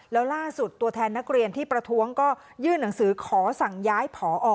แล้วล่าสุดตัวแทนนักเรียนที่ประท้วงก็ยื่นหนังสือขอสั่งย้ายผอ